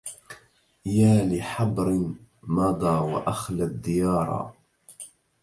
يا لحبر مضى وأخلى الديارا